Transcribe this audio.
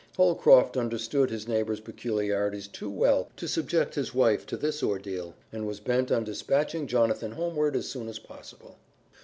Holcroft understood his neighbor's peculiarities too well to subject his wife to this ordeal, and was bent on dispatching Jonathan homeward as soon as possible.